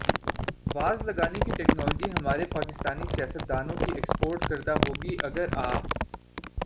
was لگانے کی technology ہمارے پاکستانی سیاستدا نوں کی ایکسپورٹ کردہ ہوگی اگر آ